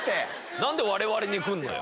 何で我々に来るの？